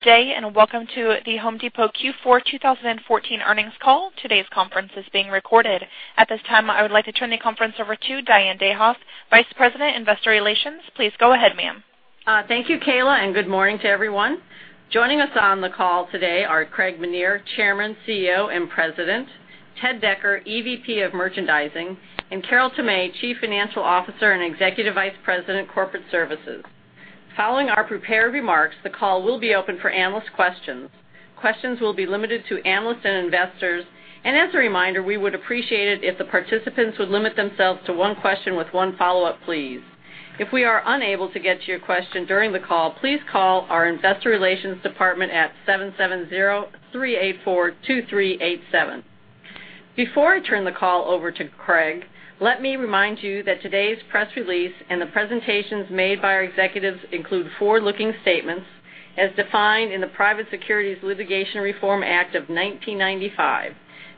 Good day, and welcome to The Home Depot Q4 2014 earnings call. Today's conference is being recorded. At this time, I would like to turn the conference over to Diane Dayhoff, Vice President, Investor Relations. Please go ahead, ma'am. Thank you, Kayla, and good morning to everyone. Joining us on the call today are Craig Menear, Chairman, CEO, and President, Ted Decker, EVP of Merchandising, and Carol Tomé, Chief Financial Officer and Executive Vice President, Corporate Services. Following our prepared remarks, the call will be open for analyst questions. Questions will be limited to analysts and investors. As a reminder, we would appreciate it if the participants would limit themselves to one question with one follow-up, please. If we are unable to get to your question during the call, please call our investor relations department at 770-384-2387. Before I turn the call over to Craig, let me remind you that today's press release and the presentations made by our executives include forward-looking statements as defined in the Private Securities Litigation Reform Act of 1995.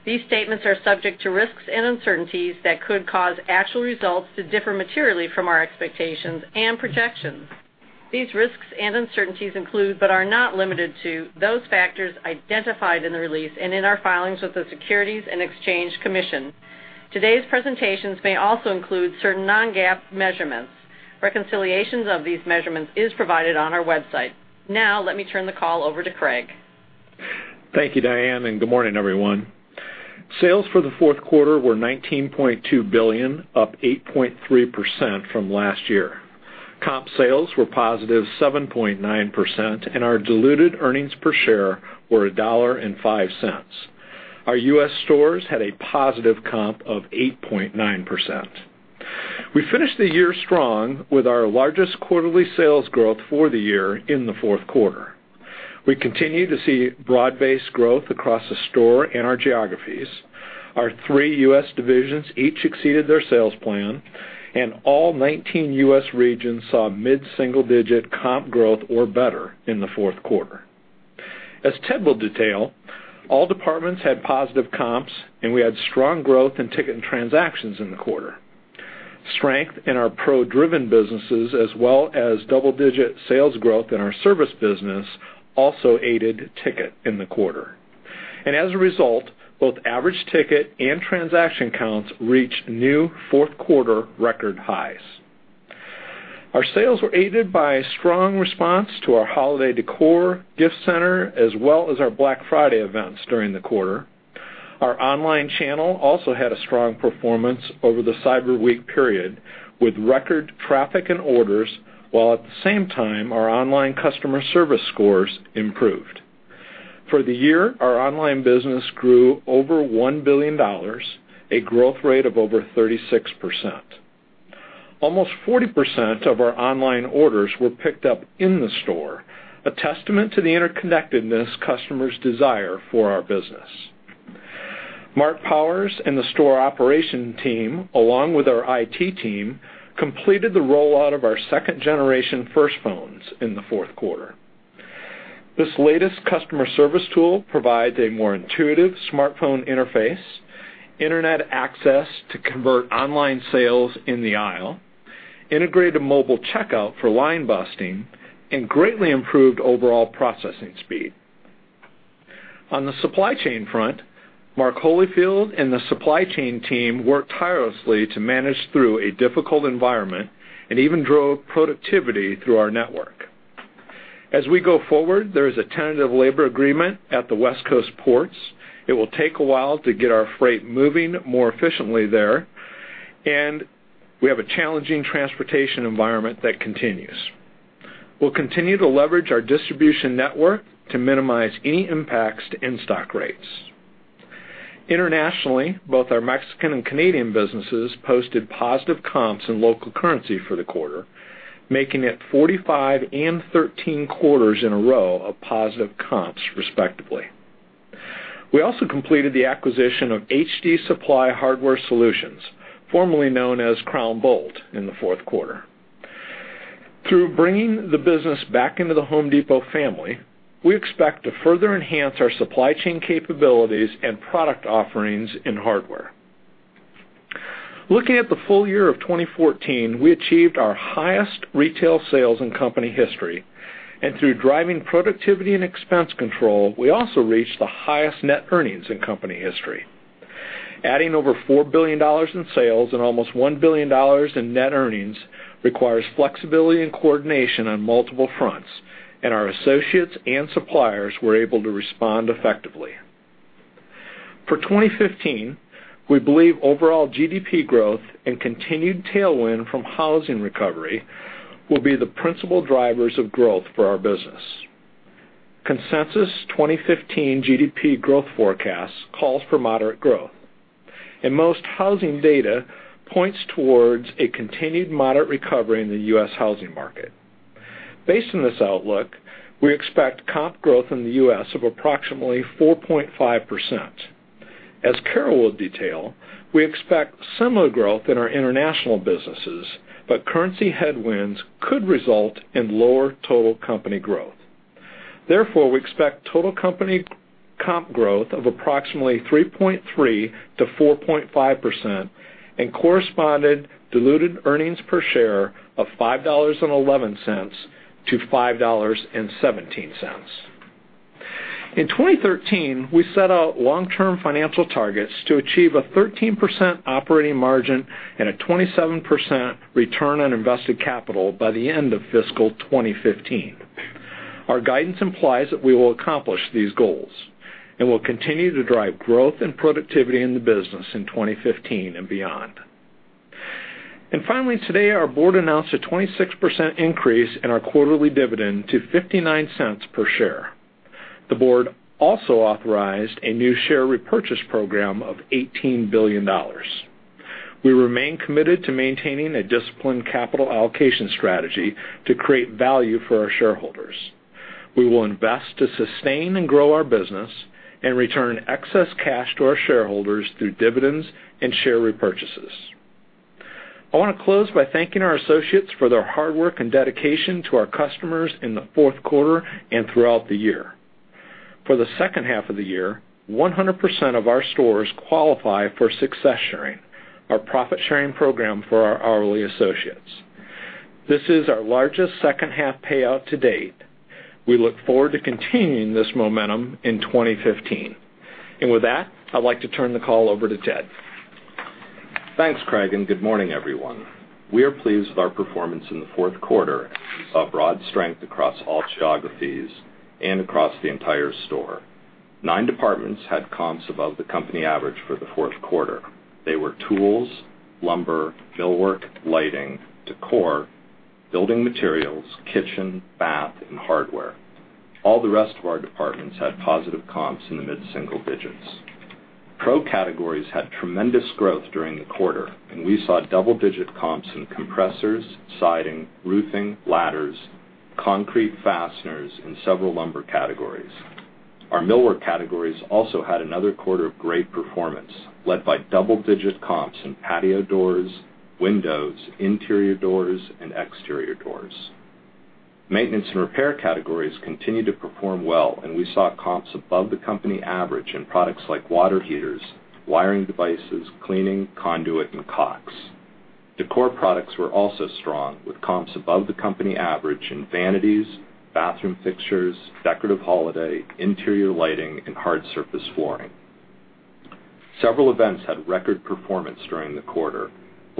These statements are subject to risks and uncertainties that could cause actual results to differ materially from our expectations and projections. These risks and uncertainties include, but are not limited to, those factors identified in the release and in our filings with the Securities and Exchange Commission. Today's presentations may also include certain non-GAAP measurements. Reconciliations of these measurements is provided on our website. Let me turn the call over to Craig. Thank you, Diane, good morning, everyone. Sales for the fourth quarter were $19.2 billion, up 8.3% from last year. Comp sales were positive 7.9%. Our diluted earnings per share were $1.05. Our U.S. stores had a positive comp of 8.9%. We finished the year strong with our largest quarterly sales growth for the year in the fourth quarter. We continue to see broad-based growth across the store and our geographies. Our three U.S. divisions each exceeded their sales plan. All 19 U.S. regions saw mid-single-digit comp growth or better in the fourth quarter. As Ted will detail, all departments had positive comps. We had strong growth in ticket and transactions in the quarter. Strength in our pro-driven businesses, as well as double-digit sales growth in our service business, also aided ticket in the quarter. As a result, both average ticket and transaction counts reached new fourth-quarter record highs. Our sales were aided by a strong response to our holiday decor, gift center, as well as our Black Friday events during the quarter. Our online channel also had a strong performance over the cyber week period, with record traffic and orders, while at the same time, our online customer service scores improved. For the year, our online business grew over $1 billion, a growth rate of over 36%. Almost 40% of our online orders were picked up in the store, a testament to the interconnectedness customers desire for our business. Marc Powers and the store operation team, along with our IT team, completed the rollout of our second-generation FIRST Phone in the fourth quarter. This latest customer service tool provides a more intuitive smartphone interface, internet access to convert online sales in the aisle, integrated mobile checkout for line busting, greatly improved overall processing speed. On the supply chain front, Mark Holifield and the supply chain team worked tirelessly to manage through a difficult environment and even drove productivity through our network. We go forward, there is a tentative labor agreement at the West Coast ports. It will take a while to get our freight moving more efficiently there, and we have a challenging transportation environment that continues. We'll continue to leverage our distribution network to minimize any impacts to in-stock rates. Internationally, both our Mexican and Canadian businesses posted positive comps in local currency for the quarter, making it 45 and 13 quarters in a row of positive comps, respectively. We also completed the acquisition of HD Supply Hardware Solutions, formerly known as Crown Bolt, in the fourth quarter. Through bringing the business back into The Home Depot family, we expect to further enhance our supply chain capabilities and product offerings in hardware. Looking at the full year of 2014, we achieved our highest retail sales in company history. Through driving productivity and expense control, we also reached the highest net earnings in company history. Adding over $4 billion in sales and almost $1 billion in net earnings requires flexibility and coordination on multiple fronts. Our associates and suppliers were able to respond effectively. For 2015, we believe overall GDP growth and continued tailwind from housing recovery will be the principal drivers of growth for our business. Consensus 2015 GDP growth forecast calls for moderate growth. Most housing data points towards a continued moderate recovery in the U.S. housing market. Based on this outlook, we expect comp growth in the U.S. of approximately 4.5%. As Carol will detail, we expect similar growth in our international businesses. Currency headwinds could result in lower total company growth. We expect total company Comp growth of approximately 3.3%-4.5% and corresponded diluted earnings per share of $5.11-$5.17. In 2013, we set out long-term financial targets to achieve a 13% operating margin and a 27% return on invested capital by the end of fiscal 2015. Our guidance implies that we will accomplish these goals and will continue to drive growth and productivity in the business in 2015 and beyond. Finally, today, our board announced a 26% increase in our quarterly dividend to $0.59 per share. The board also authorized a new share repurchase program of $18 billion. We remain committed to maintaining a disciplined capital allocation strategy to create value for our shareholders. We will invest to sustain and grow our business and return excess cash to our shareholders through dividends and share repurchases. I want to close by thanking our associates for their hard work and dedication to our customers in the fourth quarter and throughout the year. For the second half of the year, 100% of our stores qualify for success sharing, our profit-sharing program for our hourly associates. This is our largest second-half payout to date. We look forward to continuing this momentum in 2015. With that, I'd like to turn the call over to Ted. Thanks, Craig, and good morning, everyone. We are pleased with our performance in the fourth quarter and saw broad strength across all geographies and across the entire store. Nine departments had comps above the company average for the fourth quarter. They were tools, lumber, millwork, lighting, decor, building materials, kitchen, bath, and hardware. All the rest of our departments had positive comps in the mid-single digits. Pro categories had tremendous growth during the quarter, and we saw double-digit comps in compressors, siding, roofing, ladders, concrete fasteners, and several lumber categories. Our millwork categories also had another quarter of great performance, led by double-digit comps in patio doors, windows, interior doors, and exterior doors. Maintenance and repair categories continued to perform well, and we saw comps above the company average in products like water heaters, wiring devices, cleaning, conduit, and caulks. Decor products were also strong, with comps above the company average in vanities, bathroom fixtures, decorative holiday, interior lighting, and hard surface flooring. Several events had record performance during the quarter.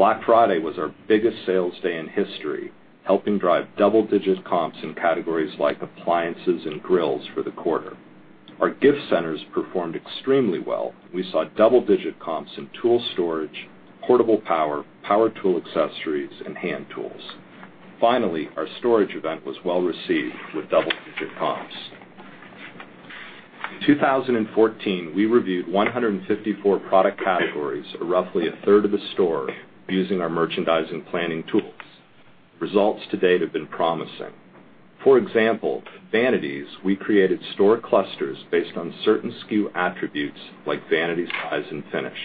Black Friday was our biggest sales day in history, helping drive double-digit comps in categories like appliances and grills for the quarter. Our gift centers performed extremely well. We saw double-digit comps in tool storage, portable power tool accessories, and hand tools. Finally, our storage event was well-received with double-digit comps. In 2014, we reviewed 154 product categories, or roughly 1/3 of the store, using our merchandising planning tools. Results to date have been promising. For example, vanities, we created store clusters based on certain SKU attributes like vanity size and finish.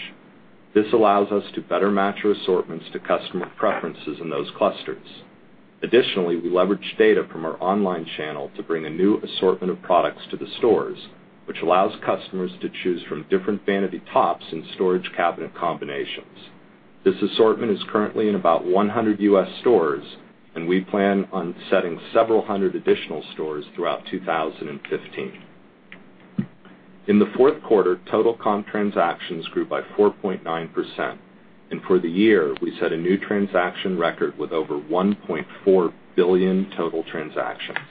This allows us to better match our assortments to customer preferences in those clusters. Additionally, we leveraged data from our online channel to bring a new assortment of products to the stores, which allows customers to choose from different vanity tops and storage cabinet combinations. This assortment is currently in about 100 U.S. stores, and we plan on setting several hundred additional stores throughout 2015. In the fourth quarter, total comp transactions grew by 4.9%, and for the year, we set a new transaction record with over 1.4 billion total transactions.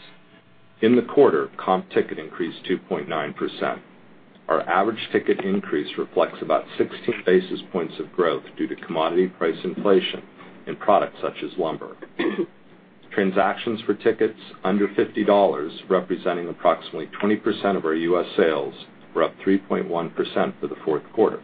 In the quarter, comp ticket increased 2.9%. Our average ticket increase reflects about 16 basis points of growth due to commodity price inflation in products such as lumber. Transactions for tickets under $50, representing approximately 20% of our U.S. sales, were up 3.1% for the fourth quarter.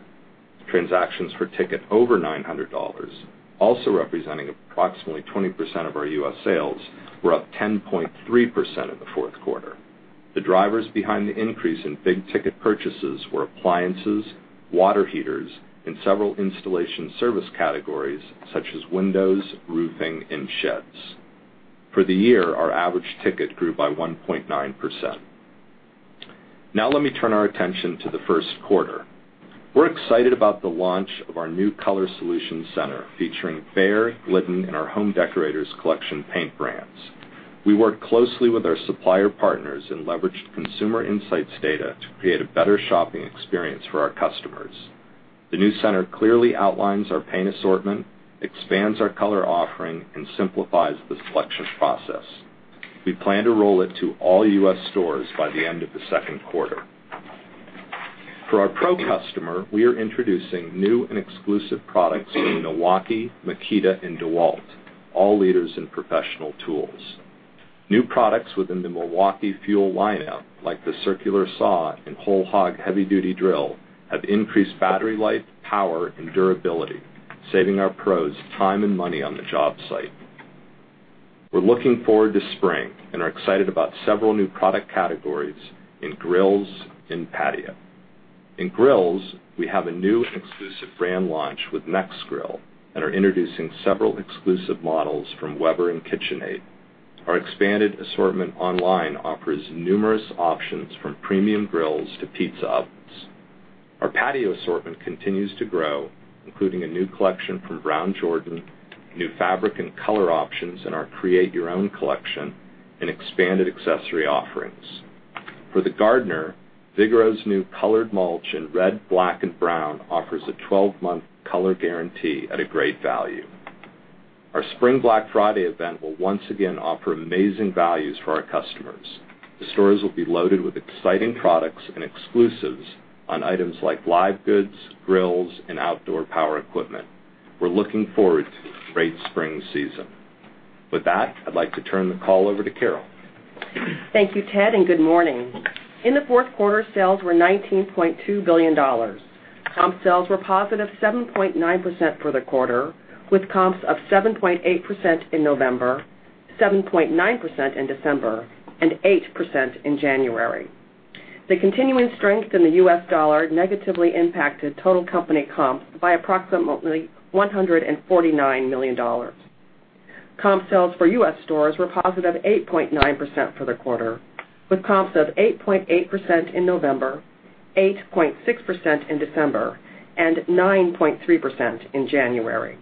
Transactions for ticket over $900, also representing approximately 20% of our U.S. sales, were up 10.3% in the fourth quarter. The drivers behind the increase in big-ticket purchases were appliances, water heaters, and several installation service categories, such as windows, roofing, and sheds. For the year, our average ticket grew by 1.9%. Now let me turn our attention to the first quarter. We're excited about the launch of our new Color Solutions Center, featuring Behr, Glidden, and our Home Decorators Collection paint brands. We worked closely with our supplier partners and leveraged consumer insights data to create a better shopping experience for our customers. The new center clearly outlines our paint assortment, expands our color offering, and simplifies the selection process. We plan to roll it to all U.S. stores by the end of the second quarter. For our Pro customer, we are introducing new and exclusive products from Milwaukee, Makita, and DeWalt, all leaders in professional tools. New products within the Milwaukee FUEL lineup, like the circular saw and Hole-Hawg heavy-duty drill, have increased battery life, power, and durability, saving our Pros time and money on the job site. We're looking forward to spring and are excited about several new product categories in grills and patio. In grills, we have a new exclusive brand launch with Nexgrill and are introducing several exclusive models from Weber and KitchenAid. Our expanded assortment online offers numerous options from premium grills to pizza ovens. Our patio assortment continues to grow, including a new collection from Brown Jordan, new fabric and color options in our Create Your Own collection, and expanded accessory offerings. For the gardener, Vigoro's new colored mulch in red, black, and brown offers a 12-month color guarantee at a great value. Our Spring Black Friday event will once again offer amazing values for our customers. The stores will be loaded with exciting products and exclusives on items like live goods, grills, and outdoor power equipment. We're looking forward to a great spring season. With that, I'd like to turn the call over to Carol. Thank you, Ted, and good morning. In the fourth quarter, sales were $19.2 billion. Comp sales were positive 7.9% for the quarter, with comps of 7.8% in November, 7.9% in December, and 8% in January. The continuing strength in the U.S. dollar negatively impacted total company comps by approximately $149 million. Comp sales for U.S. stores were positive 8.9% for the quarter, with comps of 8.8% in November, 8.6% in December, and 9.3% in January.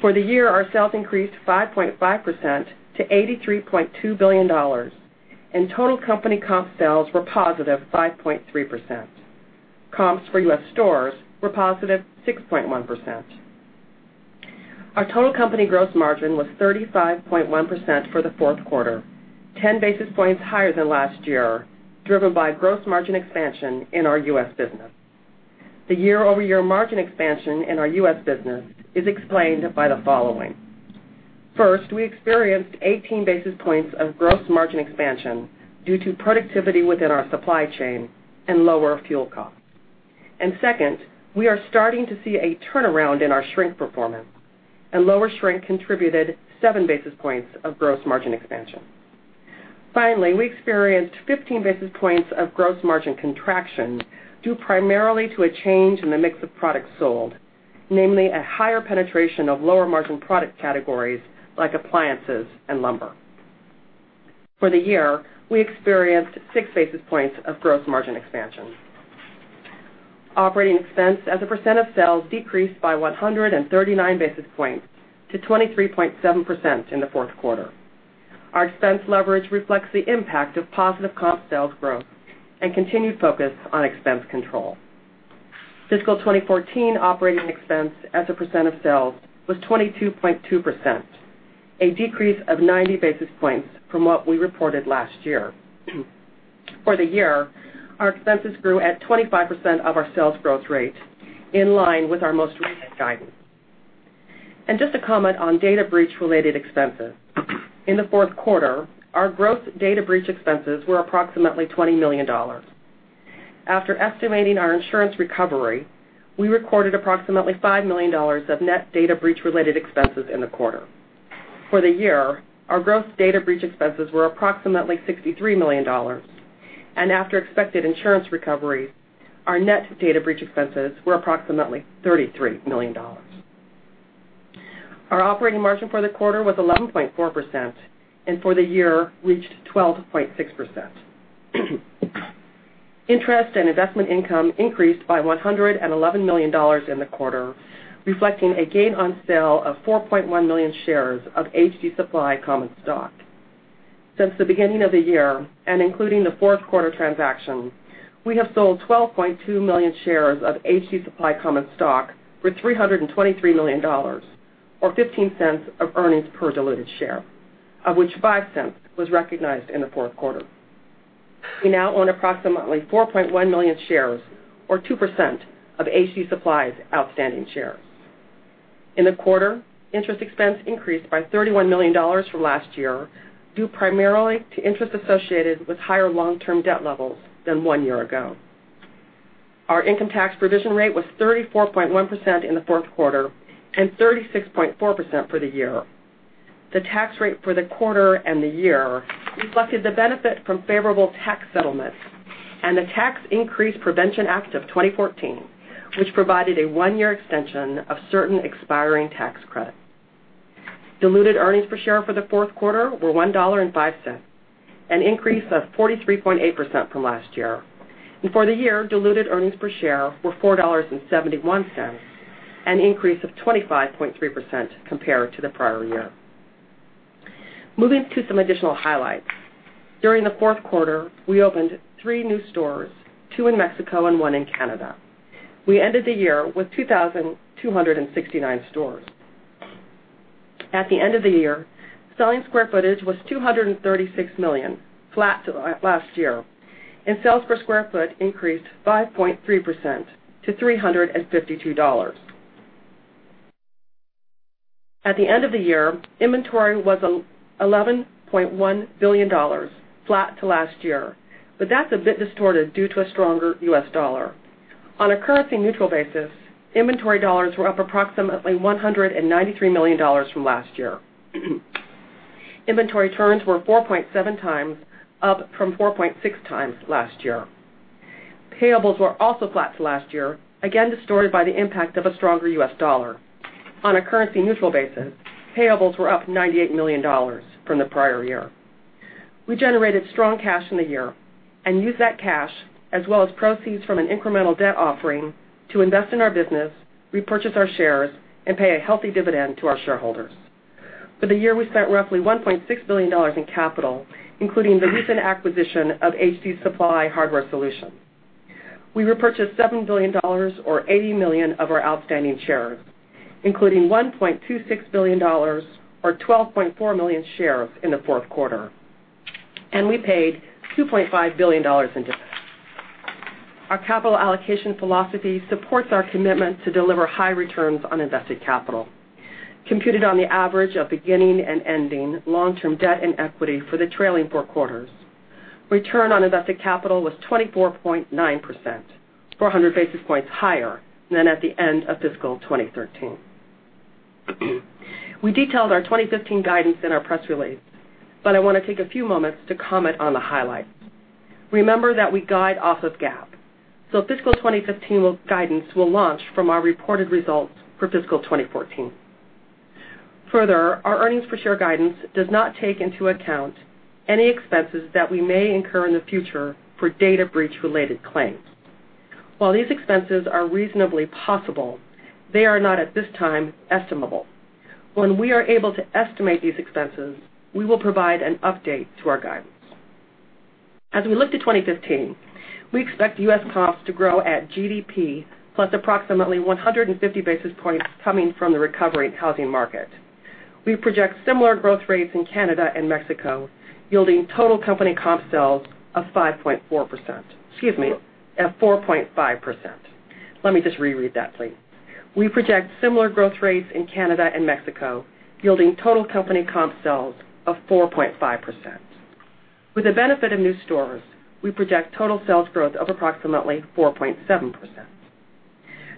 For the year, our sales increased 5.5% to $83.2 billion, and total company comp sales were positive 5.3%. Comps for U.S. stores were positive 6.1%. Our total company gross margin was 35.1% for the fourth quarter, 10 basis points higher than last year, driven by gross margin expansion in our U.S. business. The year-over-year margin expansion in our U.S. business is explained by the following. First, we experienced 18 basis points of gross margin expansion due to productivity within our supply chain and lower fuel costs. Second, we are starting to see a turnaround in our shrink performance, and lower shrink contributed seven basis points of gross margin expansion. Finally, we experienced 15 basis points of gross margin contraction due primarily to a change in the mix of products sold, namely a higher penetration of lower-margin product categories like appliances and lumber. For the year, we experienced six basis points of gross margin expansion. Operating expense as a percent of sales decreased by 139 basis points to 23.7% in the fourth quarter. Our expense leverage reflects the impact of positive comp sales growth and continued focus on expense control. Fiscal 2014 operating expense as a percent of sales was 22.2%, a decrease of 90 basis points from what we reported last year. For the year, our expenses grew at 25% of our sales growth rate, in line with our most recent guidance. Just to comment on data breach-related expenses. In the fourth quarter, our gross data breach expenses were approximately $20 million. After estimating our insurance recovery, we recorded approximately $5 million of net data breach-related expenses in the quarter. For the year, our gross data breach expenses were approximately $63 million, and after expected insurance recovery, our net data breach expenses were approximately $33 million. Our operating margin for the quarter was 11.4% and for the year reached 12.6%. Interest and investment income increased by $111 million in the quarter, reflecting a gain on sale of 4.1 million shares of HD Supply common stock. Since the beginning of the year and including the fourth quarter transaction, we have sold 12.2 million shares of HD Supply common stock for $323 million, or $0.15 of earnings per diluted share, of which $0.05 was recognized in the fourth quarter. We now own approximately 4.1 million shares, or 2%, of HD Supply's outstanding shares. In the quarter, interest expense increased by $31 million from last year due primarily to interest associated with higher long-term debt levels than one year ago. Our income tax provision rate was 34.1% in the fourth quarter and 36.4% for the year. The tax rate for the quarter and the year reflected the benefit from favorable tax settlements and the Tax Increase Prevention Act of 2014, which provided a one-year extension of certain expiring tax credits. Diluted earnings per share for the fourth quarter were $1.05, an increase of 43.8% from last year. For the year, diluted earnings per share were $4.71, an increase of 25.3% compared to the prior year. Moving to some additional highlights. During the fourth quarter, we opened 3 new stores, 2 in Mexico and 1 in Canada. We ended the year with 2,269 stores. At the end of the year, selling square footage was 236 million, flat to last year. Sales per square foot increased 5.3% to $352. At the end of the year, inventory was $11.1 billion, flat to last year. That's a bit distorted due to a stronger U.S. dollar. On a currency-neutral basis, inventory dollars were up approximately $193 million from last year. Inventory turns were 4.7 times, up from 4.6 times last year. Payables were also flat to last year, again distorted by the impact of a stronger U.S. dollar. On a currency-neutral basis, payables were up $98 million from the prior year. We generated strong cash in the year and used that cash, as well as proceeds from an incremental debt offering, to invest in our business, repurchase our shares, and pay a healthy dividend to our shareholders. For the year, we spent roughly $1.6 billion in capital, including the recent acquisition of HD Supply Hardware Solutions. We repurchased $7 billion, or 80 million of our outstanding shares, including $1.26 billion or 12.4 million shares in the fourth quarter. We paid $2.5 billion in dividends. Our capital allocation philosophy supports our commitment to deliver high returns on invested capital. Computed on the average of beginning and ending long-term debt and equity for the trailing four quarters, return on invested capital was 24.9%, 400 basis points higher than at the end of fiscal 2013. We detailed our 2015 guidance in our press release. I want to take a few moments to comment on the highlights. Remember that we guide off of GAAP, so fiscal 2015 guidance will launch from our reported results for fiscal 2014. Further, our earnings per share guidance does not take into account any expenses that we may incur in the future for data breach-related claims. While these expenses are reasonably possible, they are not at this time estimable. When we are able to estimate these expenses, we will provide an update to our guidance. As we look to 2015, we expect U.S. comps to grow at GDP, plus approximately 150 basis points coming from the recovery in housing market. We project similar growth rates in Canada and Mexico, yielding total company comp sales of 5.4%. Excuse me, at 4.5%. Let me just reread that, please. We project similar growth rates in Canada and Mexico, yielding total company comp sales of 4.5%. With the benefit of new stores, we project total sales growth of approximately 4.7%.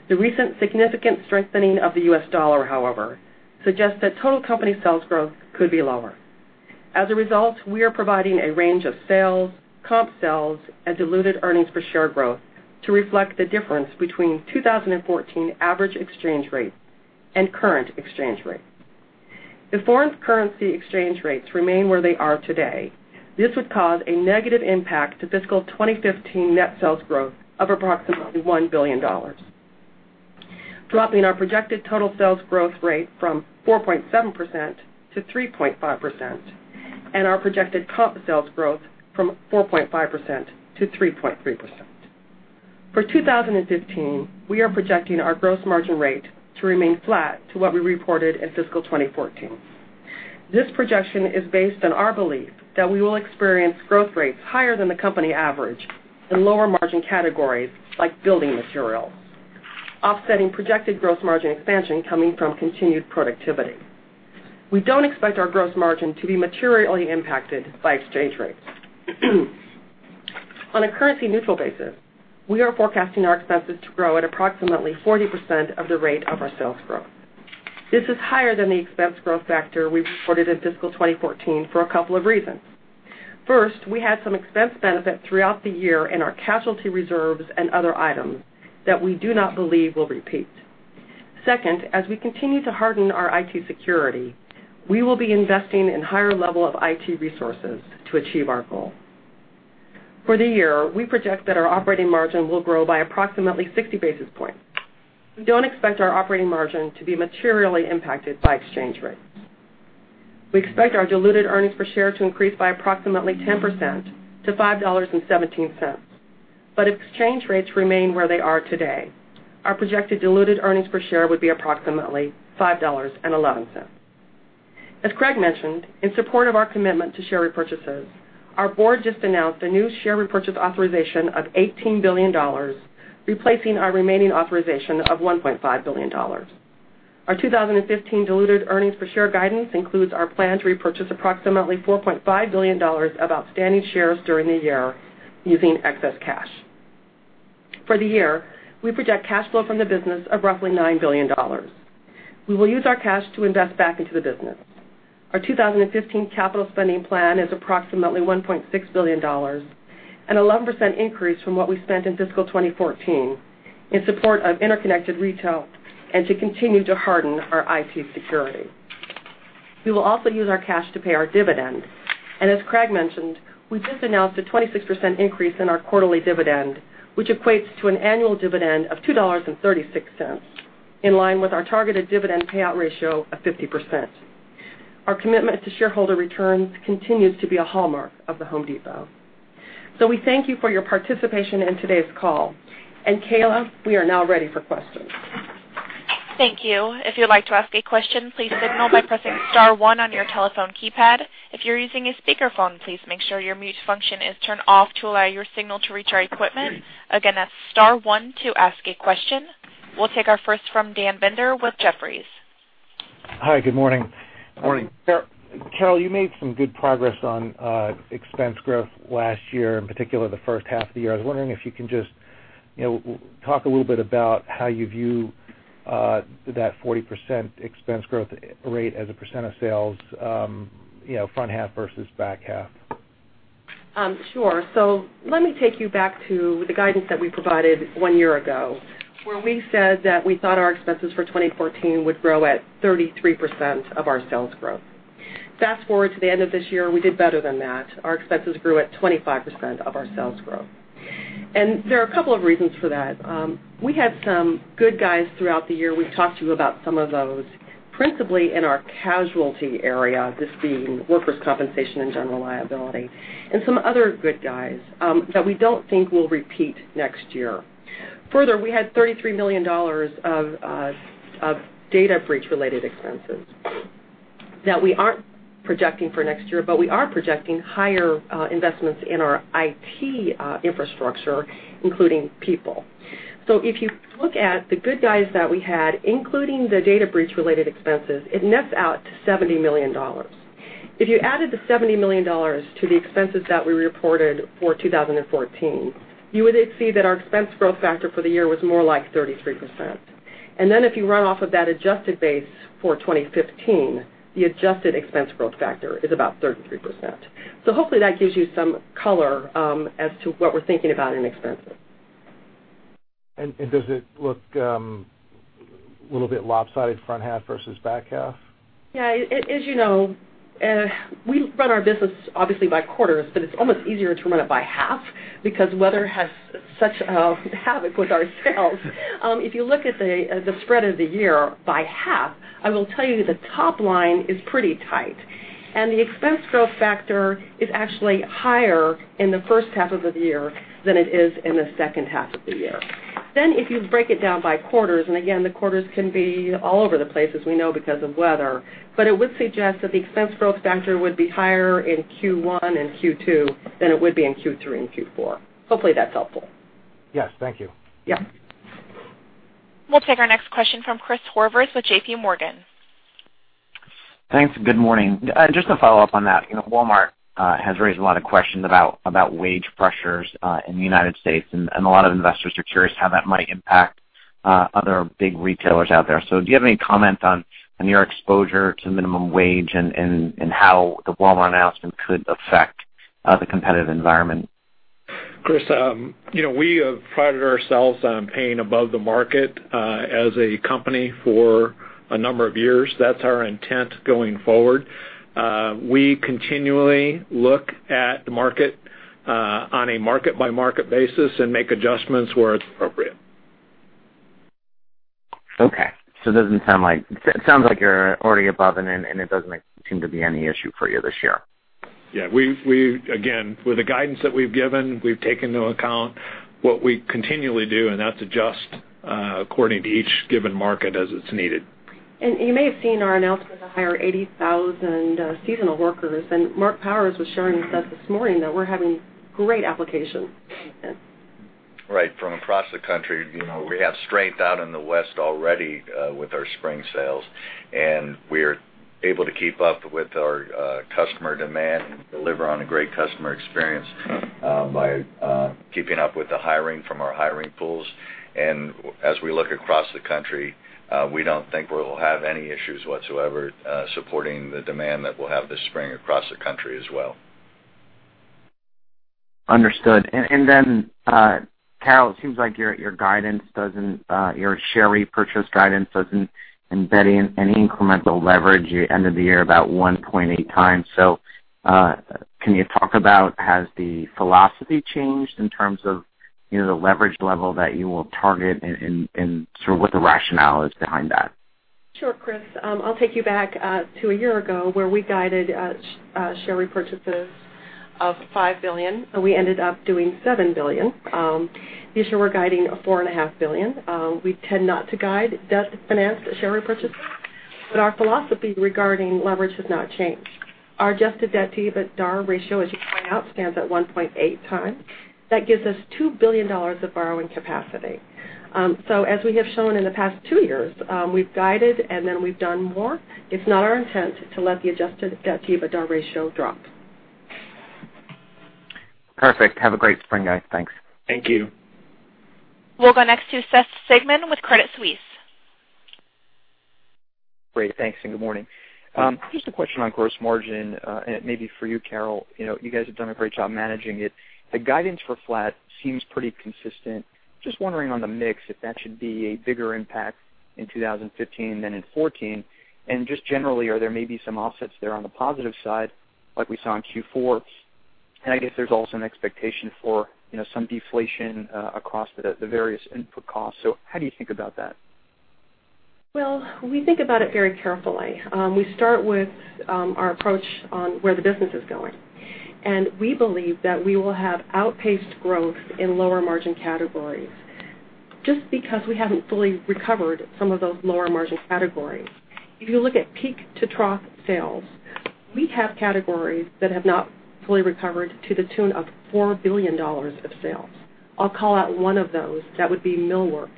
The recent significant strengthening of the U.S. dollar, however, suggests that total company sales growth could be lower. As a result, we are providing a range of sales, comp sales, and diluted earnings per share growth to reflect the difference between 2014 average exchange rates and current exchange rates. If foreign currency exchange rates remain where they are today, this would cause a negative impact to fiscal 2015 net sales growth of approximately $1 billion, dropping our projected total sales growth rate from 4.7%-3.5% and our projected comp sales growth from 4.5%-3.3%. For 2015, we are projecting our gross margin rate to remain flat to what we reported in fiscal 2014. This projection is based on our belief that we will experience growth rates higher than the company average in lower margin categories like building materials, offsetting projected gross margin expansion coming from continued productivity. We don't expect our gross margin to be materially impacted by exchange rates. On a currency-neutral basis, we are forecasting our expenses to grow at approximately 40% of the rate of our sales growth. This is higher than the expense growth factor we reported in fiscal 2014 for a couple of reasons. First, we had some expense benefit throughout the year in our casualty reserves and other items that we do not believe will repeat. Second, as we continue to harden our IT security, we will be investing in higher level of IT resources to achieve our goal. For the year, we project that our operating margin will grow by approximately 60 basis points. We don't expect our operating margin to be materially impacted by exchange rates. We expect our diluted earnings per share to increase by approximately 10% to $5.17. If exchange rates remain where they are today, our projected diluted earnings per share would be approximately $5.11. As Craig mentioned, in support of our commitment to share repurchases, our board just announced a new share repurchase authorization of $18 billion, replacing our remaining authorization of $1.5 billion. Our 2015 diluted earnings per share guidance includes our plan to repurchase approximately $4.5 billion of outstanding shares during the year using excess cash. For the year, we project cash flow from the business of roughly $9 billion. We will use our cash to invest back into the business. Our 2015 capital spending plan is approximately $1.6 billion, an 11% increase from what we spent in fiscal 2014 in support of interconnected retail and to continue to harden our IT security. We will also use our cash to pay our dividend. As Craig mentioned, we just announced a 26% increase in our quarterly dividend, which equates to an annual dividend of $2.36, in line with our targeted dividend payout ratio of 50%. Our commitment to shareholder returns continues to be a hallmark of The Home Depot. We thank you for your participation in today's call. Kayla, we are now ready for questions. Thank you. If you'd like to ask a question, please signal by pressing *1 on your telephone keypad. If you're using a speakerphone, please make sure your mute function is turned off to allow your signal to reach our equipment. Again, that's *1 to ask a question. We'll take our first from Dan Binder with Jefferies. Hi, good morning. Morning. Carol, you made some good progress on expense growth last year, in particular the first half of the year. I was wondering if you can just Talk a little bit about how you view that 40% expense growth rate as a percent of sales front half versus back half. Let me take you back to the guidance that we provided one year ago, where we said that we thought our expenses for 2014 would grow at 33% of our sales growth. Fast-forward to the end of this year, we did better than that. Our expenses grew at 25% of our sales growth. There are a couple of reasons for that. We had some good guys throughout the year. We've talked to you about some of those, principally in our casualty area, this being workers' compensation and general liability, and some other good guys that we don't think will repeat next year. Further, we had $33 million of data breach-related expenses that we aren't projecting for next year, but we are projecting higher investments in our IT infrastructure, including people. If you look at the good guys that we had, including the data breach-related expenses, it nets out to $70 million. If you added the $70 million to the expenses that we reported for 2014, you would then see that our expense growth factor for the year was more like 33%. If you run off of that adjusted base for 2015, the adjusted expense growth factor is about 33%. Hopefully that gives you some color as to what we're thinking about in expenses. Does it look a little bit lopsided front half versus back half? Yeah. As you know, we run our business obviously by quarters, but it's almost easier to run it by half because weather has such a havoc with our sales. If you look at the spread of the year by half, I will tell you the top line is pretty tight, and the expense growth factor is actually higher in the first half of the year than it is in the second half of the year. If you break it down by quarters, and again, the quarters can be all over the place, as we know, because of weather, but it would suggest that the expense growth factor would be higher in Q1 and Q2 than it would be in Q3 and Q4. Hopefully, that's helpful. Yes. Thank you. Yeah. We'll take our next question from Christopher Horvers with JPMorgan. Thanks, and good morning. Just to follow up on that, Walmart has raised a lot of questions about wage pressures in the United States, and a lot of investors are curious how that might impact other big retailers out there. Do you have any comment on your exposure to minimum wage and how the Walmart announcement could affect the competitive environment? Chris, we have prided ourselves on paying above the market as a company for a number of years. That's our intent going forward. We continually look at the market on a market-by-market basis and make adjustments where it's appropriate. Okay. It sounds like you're already above and it doesn't seem to be any issue for you this year. Yeah. Again, with the guidance that we've given, we've taken into account what we continually do, and that's adjust according to each given market as it's needed. You may have seen our announcement to hire 80,000 seasonal workers, and Marc Powers was sharing with us this morning that we're having great applications. Right. From across the country. We have strength out in the West already with our spring sales, and we're able to keep up with our customer demand and deliver on a great customer experience by keeping up with the hiring from our hiring pools. As we look across the country, we don't think we'll have any issues whatsoever supporting the demand that we'll have this spring across the country as well. Understood. Carol, it seems like your share repurchase guidance doesn't embed in any incremental leverage end of the year about 1.8 times. Can you talk about has the philosophy changed in terms of the leverage level that you will target and sort of what the rationale is behind that? Sure, Chris. I'll take you back to a year ago where we guided share repurchases of $5 billion, and we ended up doing $7 billion. This year, we're guiding a $4.5 billion. We tend not to guide debt-financed share repurchases, but our philosophy regarding leverage has not changed. Our adjusted debt-to-EBITDA ratio, as you point out, stands at 1.8 times. That gives us $2 billion of borrowing capacity. As we have shown in the past two years, we've guided, and then we've done more. It's not our intent to let the adjusted debt-to-EBITDA ratio drop. Perfect. Have a great spring, guys. Thanks. Thank you. We'll go next to Seth Sigman with Credit Suisse. Great. Thanks, good morning. Just a question on gross margin, and it may be for you, Carol. You guys have done a great job managing it. The guidance for flat seems pretty consistent. Just wondering on the mix, if that should be a bigger impact in 2015 than in 2014. Just generally, are there maybe some offsets there on the positive side like we saw in Q4? I guess there's also an expectation for some deflation across the various input costs. How do you think about that? Well, we think about it very carefully. We start with our approach on where the business is going. We believe that we will have outpaced growth in lower margin categories just because we haven't fully recovered some of those lower margin categories. If you look at peak to trough sales, we have categories that have not fully recovered to the tune of $4 billion of sales. I'll call out one of those. That would be millwork.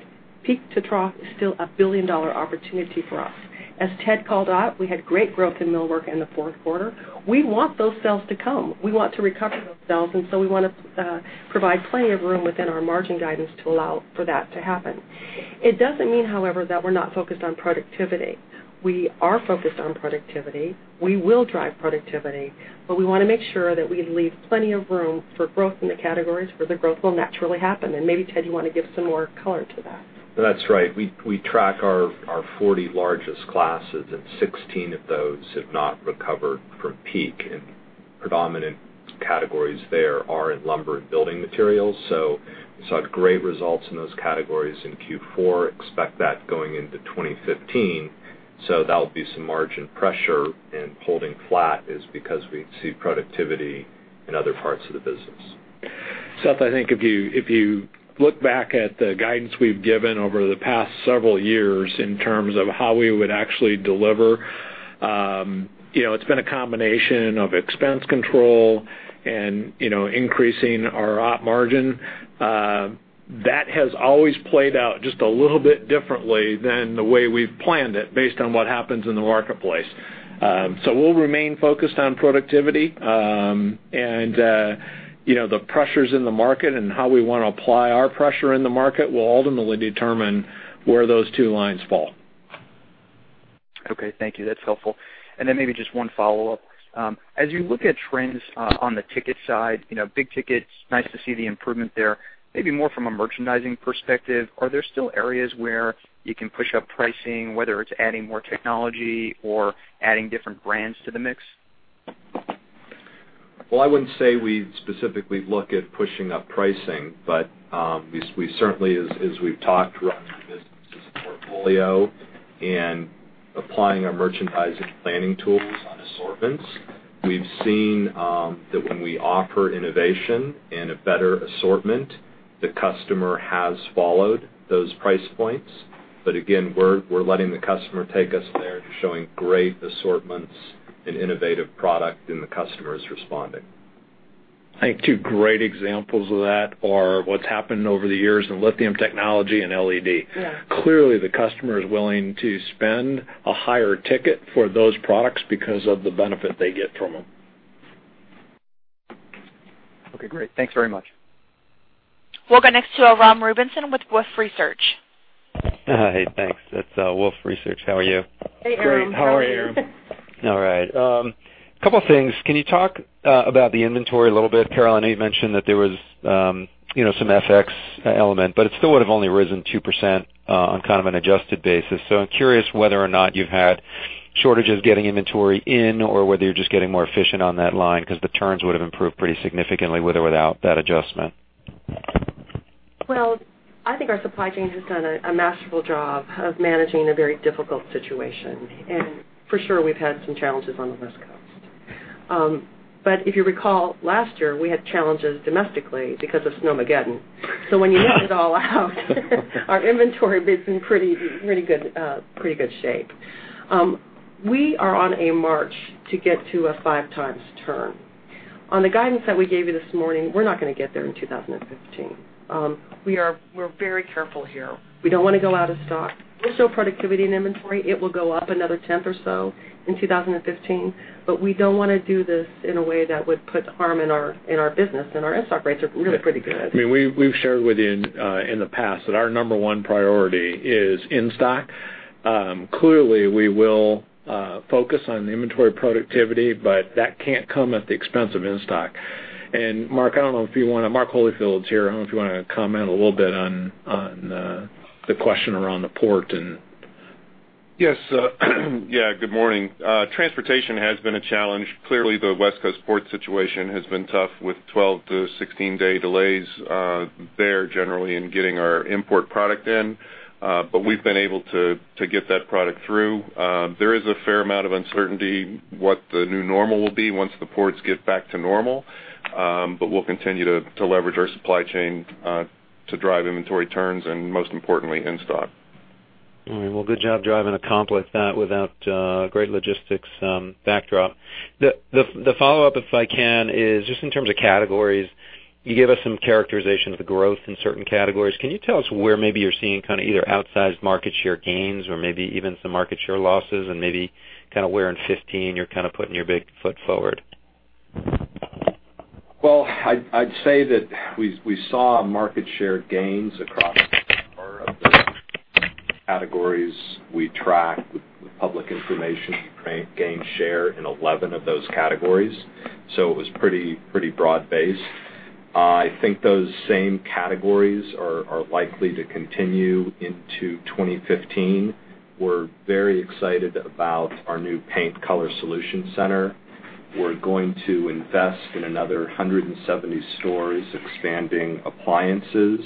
Peak to trough is still a billion-dollar opportunity for us. As Ted called out, we had great growth in millwork in the fourth quarter. We want those sales to come. We want to recover those sales, so we want to provide plenty of room within our margin guidance to allow for that to happen. It doesn't mean, however, that we're not focused on productivity. We are focused on productivity. We will drive productivity. We want to make sure that we leave plenty of room for growth in the categories where the growth will naturally happen, maybe, Ted, you want to give some more color to that. That's right. We track our 40 largest classes, 16 of those have not recovered from peak. Predominant categories there are in lumber and building materials. We saw great results in those categories in Q4. Expect that going into 2015. That'll be some margin pressure, and holding flat is because we see productivity in other parts of the business. Seth, I think if you look back at the guidance we've given over the past several years in terms of how we would actually deliver, it's been a combination of expense control and increasing our op margin. That has always played out just a little bit differently than the way we've planned it based on what happens in the marketplace. We'll remain focused on productivity. The pressures in the market and how we want to apply our pressure in the market will ultimately determine where those two lines fall. Okay, thank you. That's helpful. Then maybe just one follow-up. As you look at trends on the ticket side, big tickets, nice to see the improvement there. Maybe more from a merchandising perspective, are there still areas where you can push up pricing, whether it's adding more technology or adding different brands to the mix? Well, I wouldn't say we specifically look at pushing up pricing. We certainly, as we've talked, running the businesses portfolio and applying our merchandising planning tools on assortments, we've seen that when we offer innovation and a better assortment, the customer has followed those price points. Again, we're letting the customer take us there to showing great assortments and innovative product, and the customer is responding. I think two great examples of that are what's happened over the years in lithium technology and LED. Yeah. Clearly, the customer is willing to spend a higher ticket for those products because of the benefit they get from them. Okay, great. Thanks very much. We'll go next to Aram Rubinson with Wolfe Research. Hi. Thanks. It's Wolfe Research. How are you? Hey, Aram. How are you? Great. How are you? All right. Couple of things. Can you talk about the inventory a little bit? Carol, you mentioned that there was some FX element, but it still would have only risen 2% on an adjusted basis. I'm curious whether or not you've had shortages getting inventory in or whether you're just getting more efficient on that line because the turns would have improved pretty significantly with or without that adjustment. I think our supply chain has done a masterful job of managing a very difficult situation. For sure we've had some challenges on the West Coast. If you recall, last year, we had challenges domestically because of Snowmageddon. When you mix it all out, our inventory has been in pretty good shape. We are on a march to get to a five times turn. On the guidance that we gave you this morning, we're not going to get there in 2015. We're very careful here. We don't want to go out of stock. We'll show productivity in inventory. It will go up another 10th or so in 2015. We don't want to do this in a way that would put harm in our business, and our in-stock rates are really pretty good. We've shared with you in the past that our number one priority is in-stock. Clearly, we will focus on inventory productivity, that can't come at the expense of in-stock. Mark Holifield's here. I don't know if you want to comment a little bit on the question around the port and Good morning. Transportation has been a challenge. Clearly, the West Coast port situation has been tough with 12-16-day delays there generally in getting our import product in. We've been able to get that product through. There is a fair amount of uncertainty what the new normal will be once the ports get back to normal. We'll continue to leverage our supply chain to drive inventory turns and most importantly, in-stock. Good job driving accomplished that without great logistics backdrop. The follow-up, if I can, is just in terms of categories, you gave us some characterization of the growth in certain categories. Can you tell us where maybe you're seeing either outsized market share gains or maybe even some market share losses and maybe where in 2015 you're putting your big foot forward? Well, I'd say that we saw market share gains across of the categories we track with public information. We gained share in 11 of those categories. It was pretty broad-based. I think those same categories are likely to continue into 2015. We're very excited about our new Color Solutions Center. We're going to invest in another 170 stores expanding appliances.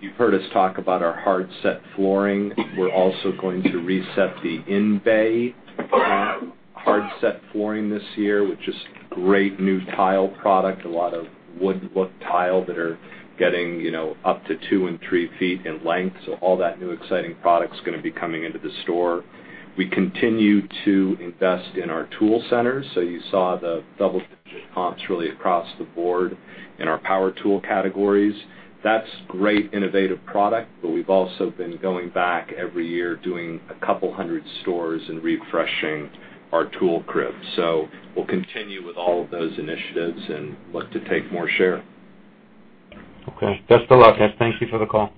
You've heard us talk about our hard surface flooring. We're also going to reset the in-bay hard surface flooring this year, which is great new tile product, a lot of wood-look tile that are getting up to two and three feet in length. All that new exciting product's going to be coming into the store. We continue to invest in our tool centers. You saw the double-digit comps really across the board in our power tool categories. That's great innovative product, but we've also been going back every year doing a couple hundred stores and refreshing our tool crib. We'll continue with all of those initiatives and look to take more share. Okay. Best of luck. Thank you for the call.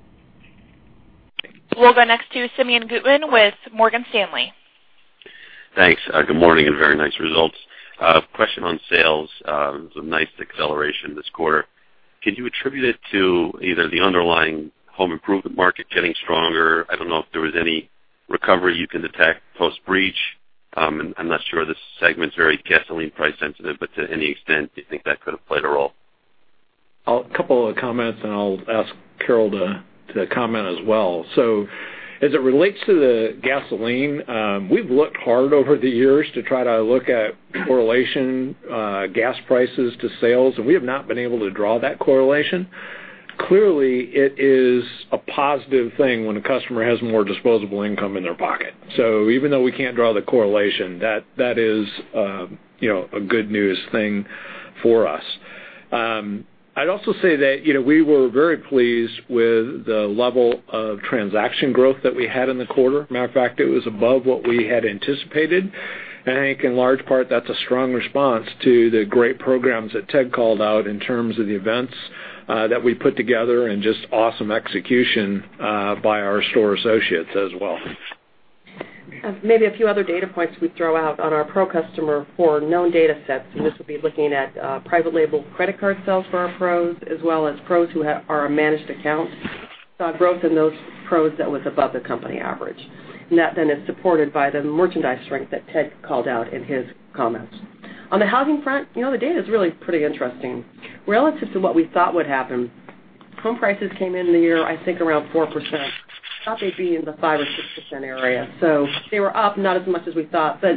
We'll go next to Simeon Gutman with Morgan Stanley. Thanks. Good morning, very nice results. Question on sales. There was a nice acceleration this quarter. Can you attribute it to either the underlying home improvement market getting stronger? I don't know if there was any recovery you can detect post-breach. I'm not sure this segment's very gasoline price sensitive, but to any extent, do you think that could have played a role? A couple of comments. I'll ask Carol Tomé to comment as well. As it relates to the gasoline, we've looked hard over the years to try to look at correlation, gas prices to sales. We have not been able to draw that correlation. Clearly, it is a positive thing when a customer has more disposable income in their pocket. Even though we can't draw the correlation, that is a good news thing for us. I'd also say that we were very pleased with the level of transaction growth that we had in the quarter. Matter of fact, it was above what we had anticipated. I think in large part, that's a strong response to the great programs that Ted Decker called out in terms of the events that we put together and just awesome execution by our store associates as well. Maybe a few other data points we'd throw out on our pro customer for known data sets. This would be looking at private label credit card sales for our pros, as well as pros who are a managed account. Saw growth in those pros that was above the company average. That then is supported by the merchandise strength that Ted Decker called out in his comments. On the housing front, the data's really pretty interesting. Relative to what we thought would happen, home prices came in the year, I think, around 4%. Thought they'd be in the 5% or 6% area. They were up, not as much as we thought, but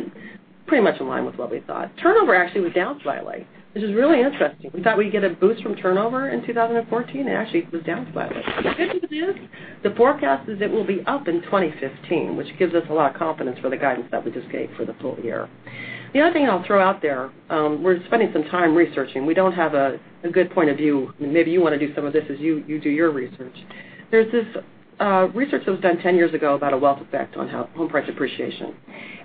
pretty much in line with what we thought. Turnover actually was down slightly, which is really interesting. We thought we'd get a boost from turnover in 2014. It actually was down slightly. The good news is the forecast is it will be up in 2015, which gives us a lot of confidence for the guidance that we just gave for the full year. The other thing I'll throw out there, we're spending some time researching. We don't have a good point of view. Maybe you want to do some of this as you do your research. There's this research that was done 10 years ago about a wealth effect on home price appreciation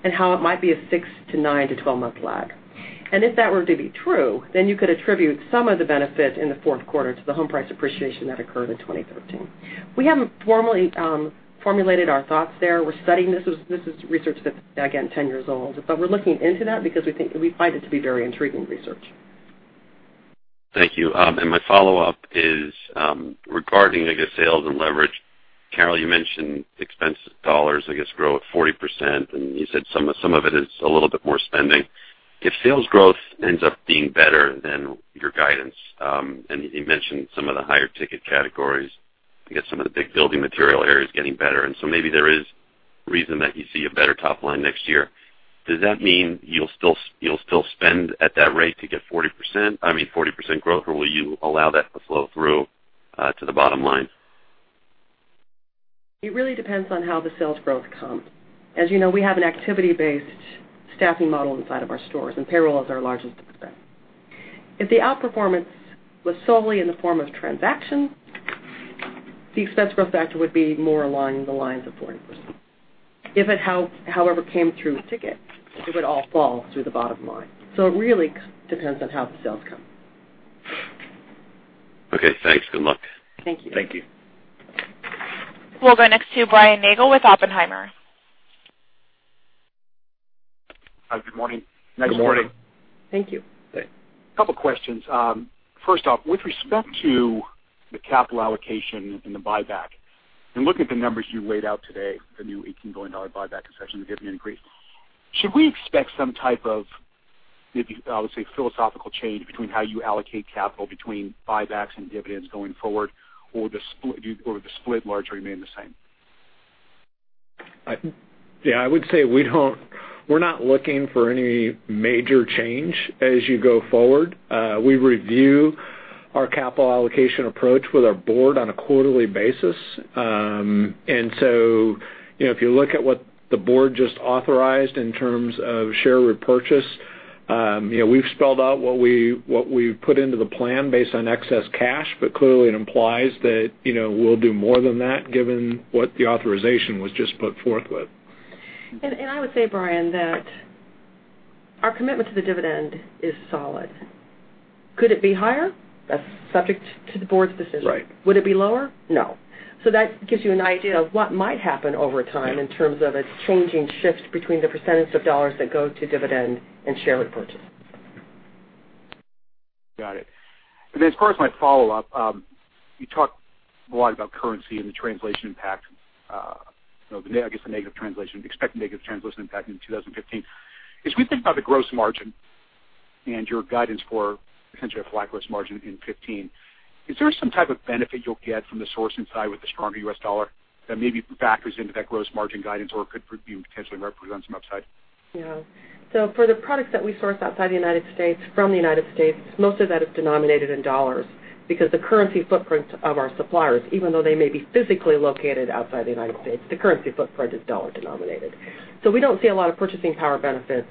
and how it might be a six to nine to 12-month lag. If that were to be true, then you could attribute some of the benefit in the fourth quarter to the home price appreciation that occurred in 2013. We haven't formally formulated our thoughts there. We're studying this. This is research that's, again, 10 years old. We're looking into that because we find it to be very intriguing research. Thank you. My follow-up is regarding, I guess, sales and leverage. Carol, you mentioned expense dollars, I guess, grow at 40%, and you said some of it is a little bit more spending. If sales growth ends up being better than your guidance, and you mentioned some of the higher ticket categories, I guess some of the big building material areas getting better, so maybe there is reason that you see a better top line next year. Does that mean you'll still spend at that rate to get 40% growth, or will you allow that to flow through to the bottom line? It really depends on how the sales growth comes. As you know, we have an activity-based staffing model inside of our stores, and payroll is our largest expense. If the outperformance was solely in the form of transaction, the expense growth factor would be more along the lines of 40%. If it, however, came through ticket, it would all fall through the bottom line. It really depends on how the sales come. Okay, thanks. Good luck. Thank you. Thank you. We'll go next to Brian Nagel with Oppenheimer. Good morning. Good morning. Thank you. Couple questions. First off, with respect to the capital allocation and the buyback, and looking at the numbers you laid out today, the new $18 billion buyback concession, the dividend increase. Should we expect some type of, maybe I would say, philosophical change between how you allocate capital between buybacks and dividends going forward, or the split largely remain the same? Yeah, I would say we're not looking for any major change as you go forward. We review our capital allocation approach with our board on a quarterly basis. If you look at what the board just authorized in terms of share repurchase, we've spelled out what we've put into the plan based on excess cash. Clearly it implies that we'll do more than that given what the authorization was just put forth with. I would say, Brian, that our commitment to the dividend is solid. Could it be higher? That's subject to the board's decision. Right. Would it be lower? No. That gives you an idea of what might happen over time in terms of a changing shift between the percentage of dollars that go to dividend and share repurchase. Got it. As far as my follow-up, you talked a lot about currency and the translation impact. I guess the negative translation, expect negative translation impact into 2015. As we think about the gross margin and your guidance for potentially a flat gross margin in 2015, is there some type of benefit you'll get from the sourcing side with the stronger U.S. dollar that maybe factors into that gross margin guidance or could potentially represent some upside? No. For the products that we source outside the United States, from the United States, most of that is denominated in dollars because the currency footprint of our suppliers, even though they may be physically located outside the United States, the currency footprint is dollar-denominated. We don't see a lot of purchasing power benefits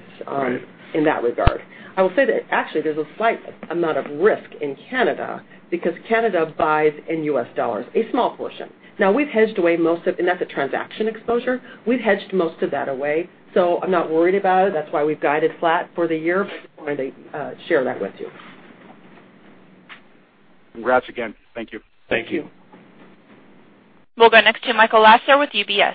in that regard. I will say that actually there's a slight amount of risk in Canada because Canada buys in U.S. dollars, a small portion. Now we've hedged away, and that's a transaction exposure. We've hedged most of that away, so I'm not worried about it. That's why we've guided flat for the year. Just wanted to share that with you. Congrats again. Thank you. Thank you. We'll go next to Michael Lasser with UBS.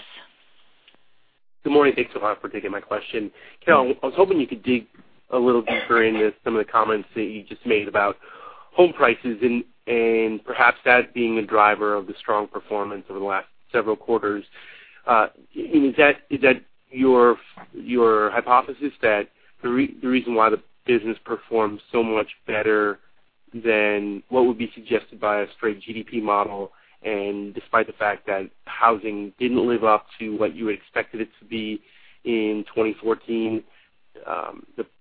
Good morning. Thanks a lot for taking my question. Carol, I was hoping you could dig a little deeper into some of the comments that you just made about home prices and perhaps that being a driver of the strong performance over the last several quarters. Is that your hypothesis that the reason why the business performed so much better than what would be suggested by a straight GDP model, and despite the fact that housing didn't live up to what you had expected it to be in 2014,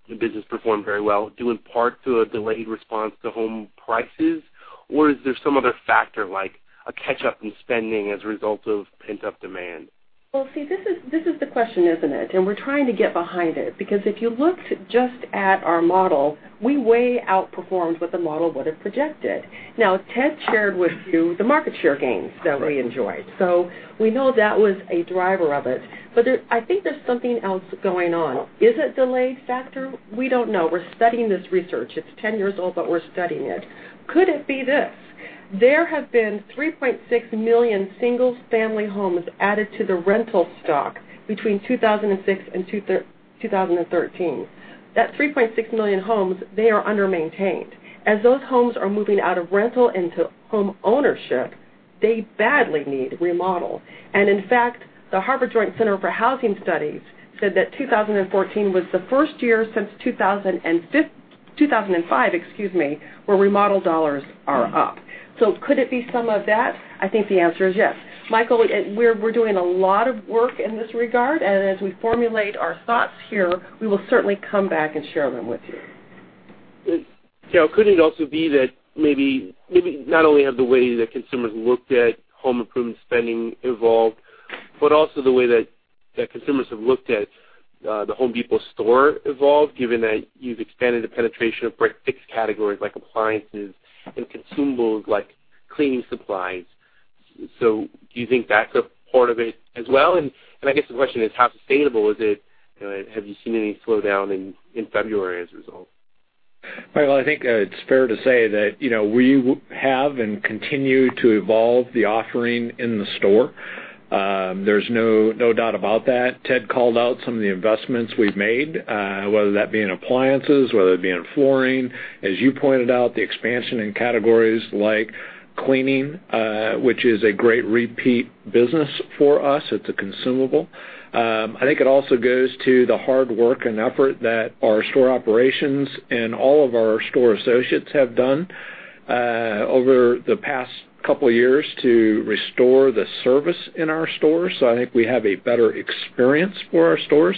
the business performed very well due in part to a delayed response to home prices? Or is there some other factor like a catch-up in spending as a result of pent-up demand? Well, see, this is the question, isn't it? We're trying to get behind it, because if you looked just at our model, we way outperformed what the model would have projected. Ted shared with you the market share gains that we enjoyed. We know that was a driver of it. I think there's something else going on. Is it delayed factor? We don't know. We're studying this research. It's 10 years old, but we're studying it. Could it be this? There have been 3.6 million single-family homes added to the rental stock between 2006 and 2013. That 3.6 million homes, they are under-maintained. As those homes are moving out of rental into home ownership, they badly need remodel. In fact, the Joint Center for Housing Studies of Harvard University said that 2014 was the first year since 2005, excuse me, where remodel dollars are up. Could it be some of that? I think the answer is yes. Michael, we're doing a lot of work in this regard, and as we formulate our thoughts here, we will certainly come back and share them with you. Carol, could it also be that maybe not only have the way that consumers looked at home improvement spending evolved, but also the way that consumers have looked at The Home Depot store evolved, given that you've expanded the penetration of fixed categories like appliances and consumables like cleaning supplies. Do you think that's a part of it as well? I guess the question is, how sustainable is it? Have you seen any slowdown in February as a result? Michael, I think it's fair to say that, we have and continue to evolve the offering in the store. There's no doubt about that. Ted called out some of the investments we've made, whether that be in appliances, whether it be in flooring. As you pointed out, the expansion in categories like cleaning, which is a great repeat business for us. It's a consumable. I think it also goes to the hard work and effort that our store operations and all of our store associates have done over the past couple of years to restore the service in our stores. I think we have a better experience for our stores.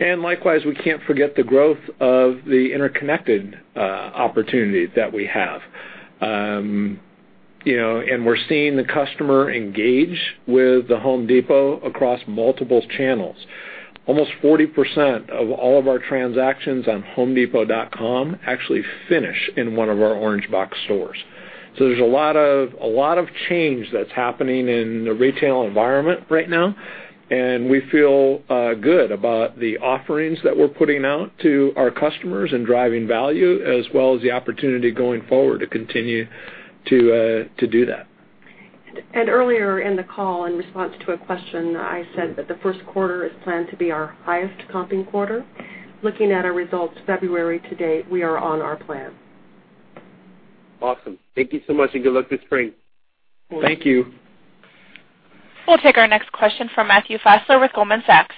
Likewise, we can't forget the growth of the interconnected opportunity that we have. We're seeing the customer engage with The Home Depot across multiple channels. Almost 40% of all of our transactions on homedepot.com actually finish in one of our orange box stores. There's a lot of change that's happening in the retail environment right now, and we feel good about the offerings that we're putting out to our customers and driving value, as well as the opportunity going forward to continue to do that. Earlier in the call, in response to a question, I said that the first quarter is planned to be our highest comping quarter. Looking at our results February to date, we are on our plan. Awesome. Thank you so much and good luck this spring. Thank you. We'll take our next question from Matthew Fassler with Goldman Sachs.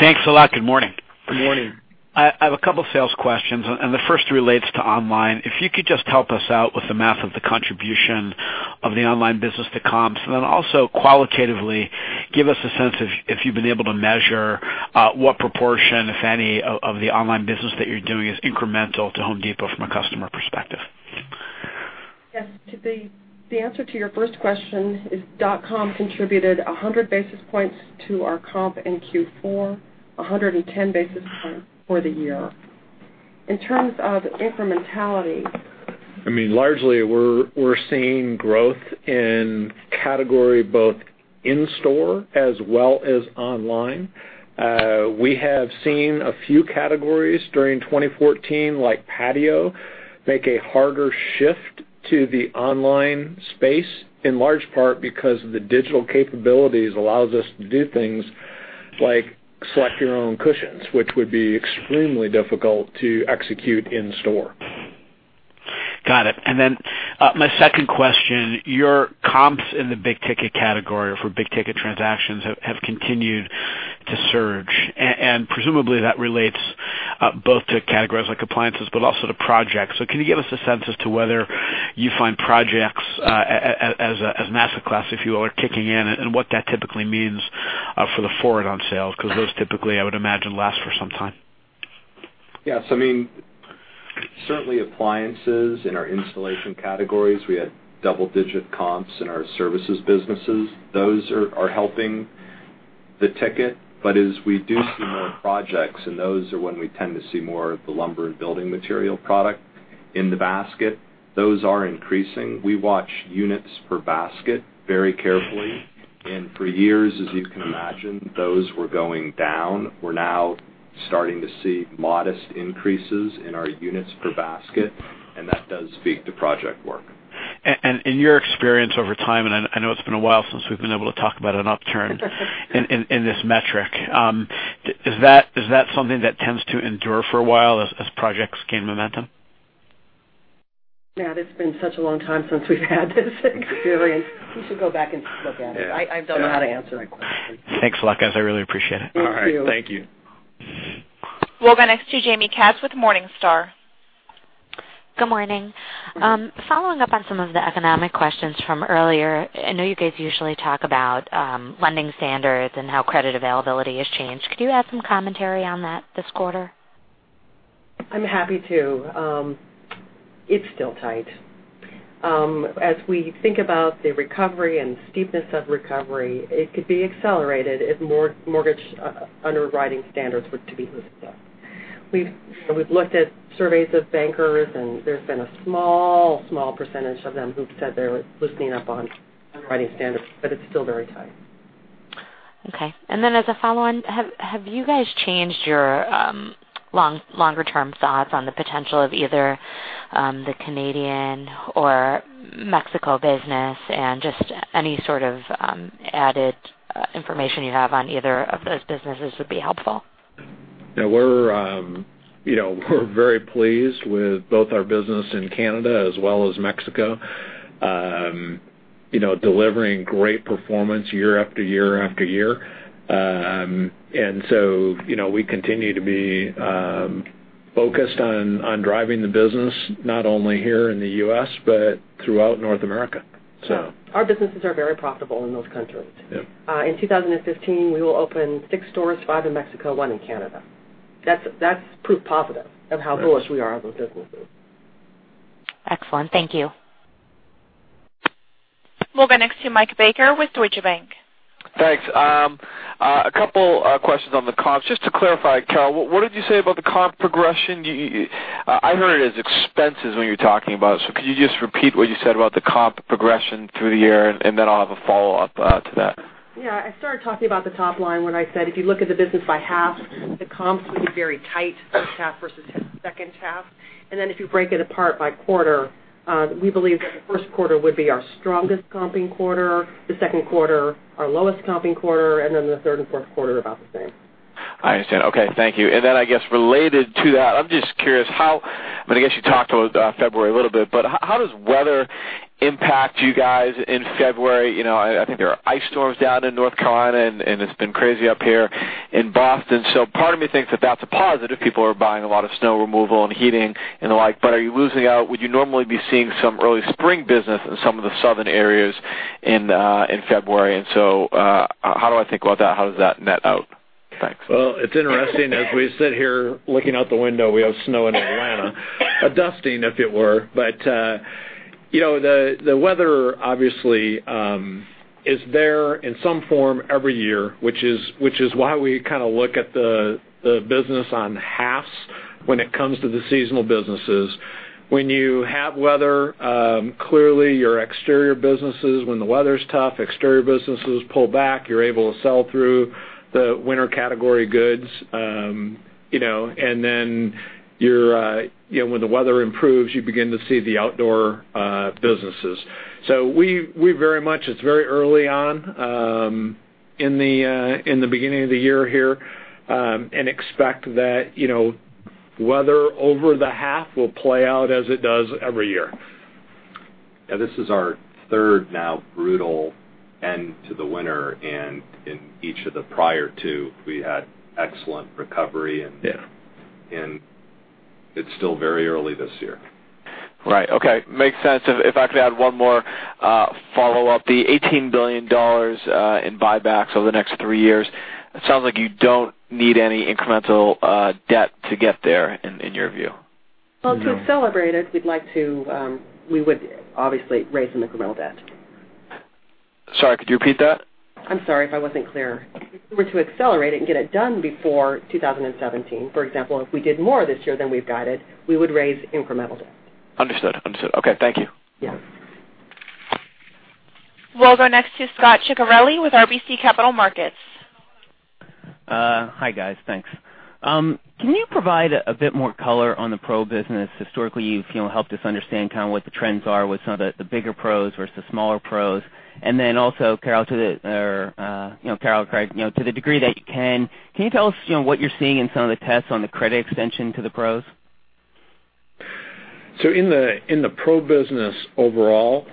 Thanks a lot. Good morning. Good morning. I have a couple sales questions. The first relates to online. If you could just help us out with the math of the contribution of the online business to comps, then also qualitatively give us a sense if you've been able to measure what proportion, if any, of the online business that you're doing is incremental to The Home Depot from a customer perspective. Yes. The answer to your first question is .com contributed 100 basis points to our comp in Q4, 110 basis points for the year. In terms of incrementality- I mean, largely, we're seeing growth in category, both in-store as well as online. We have seen a few categories during 2014, like Patio, make a harder shift to the online space, in large part because the digital capabilities allows us to do things like select your own cushions, which would be extremely difficult to execute in store. Got it. My second question, your comps in the big ticket category or for big ticket transactions have continued to surge, and presumably that relates both to categories like appliances, but also to projects. Can you give us a sense as to whether you find projects as an asset class, if you will, are kicking in and what that typically means for the forward on sales? Those typically, I would imagine, last for some time. Yes. I mean, certainly appliances in our installation categories, we had double-digit comps in our services businesses. Those are helping the ticket. As we do see more projects, and those are when we tend to see more of the lumber and building material product in the basket, those are increasing. We watch units per basket very carefully For years, as you can imagine, those were going down. We're now starting to see modest increases in our units per basket, and that does speak to project work. In your experience over time, I know it's been a while since we've been able to talk about an upturn in this metric. Is that something that tends to endure for a while as projects gain momentum? Yeah. It's been such a long time since we've had this experience. We should go back and look at it. Yeah. I don't know how to answer that question. Thanks, Carol. I really appreciate it. Thank you. All right. Thank you. We'll go next to Jaime Katz with Morningstar. Good morning. Following up on some of the economic questions from earlier, I know you guys usually talk about lending standards and how credit availability has changed. Could you add some commentary on that this quarter? I'm happy to. It's still tight. As we think about the recovery and steepness of recovery, it could be accelerated if mortgage underwriting standards were to be loosened up. We've looked at surveys of bankers, and there's been a small percentage of them who've said they're loosening up on underwriting standards, but it's still very tight. Okay. As a follow-on, have you guys changed your longer-term thoughts on the potential of either the Canadian or Mexico business? Just any sort of added information you have on either of those businesses would be helpful. Yeah. We're very pleased with both our business in Canada as well as Mexico. Delivering great performance year after year. We continue to be focused on driving the business, not only here in the U.S., but throughout North America. Yeah. Our businesses are very profitable in those countries. Yeah. In 2015, we will open six stores, five in Mexico, one in Canada. That's proof positive of how bullish we are on those businesses. Excellent. Thank you. We'll go next to Michael Baker with Deutsche Bank. Thanks. A couple questions on the comps. Just to clarify, Carol, what did you say about the comp progression? I heard it as expenses when you were talking about it. Could you just repeat what you said about the comp progression through the year? I'll have a follow-up to that. Yeah. I started talking about the top line when I said, if you look at the business by half, the comps will be very tight first half versus second half. If you break it apart by quarter, we believe that the first quarter would be our strongest comping quarter, the second quarter our lowest comping quarter, the third and fourth quarter about the same. I understand. Okay. Thank you. I guess related to that, I'm just curious how, I guess you talked about February a little bit, but how does weather impact you guys in February? I think there are ice storms down in North Carolina, and it's been crazy up here in Boston. Part of me thinks that that's a positive. People are buying a lot of snow removal and heating and the like, but are you losing out? Would you normally be seeing some early spring business in some of the southern areas in February? How do I think about that? How does that net out? Thanks. Well, it's interesting. As we sit here looking out the window, we have snow in Atlanta, a dusting, if it were. The weather obviously is there in some form every year, which is why we look at the business on halves when it comes to the seasonal businesses. When you have weather, clearly your exterior businesses, when the weather's tough, exterior businesses pull back. You're able to sell through the winter category goods. When the weather improves, you begin to see the outdoor businesses. It's very early on in the beginning of the year here, and expect that weather over the half will play out as it does every year. Yeah. This is our third now brutal end to the winter, and in each of the prior two, we had excellent recovery. Yeah. It's still very early this year. Right. Okay. Makes sense. If I could add one more follow-up. The $18 billion in buybacks over the next three years, it sounds like you don't need any incremental debt to get there in your view. Well, to accelerate it, we would obviously raise incremental debt. Sorry, could you repeat that? I'm sorry if I wasn't clear. If we were to accelerate it and get it done before 2017, for example, if we did more this year than we've guided, we would raise incremental debt. Understood. Okay. Thank you. Yeah. We'll go next to Scot Ciccarelli with RBC Capital Markets. Hi, guys. Thanks. Can you provide a bit more color on the Pro business? Historically, you've helped us understand what the trends are with some of the bigger Pros versus smaller Pros. Also, Carol, to the degree that you can you tell us what you're seeing in some of the tests on the credit extension to the Pros? In the Pro business overall,